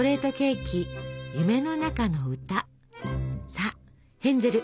さあヘンゼル！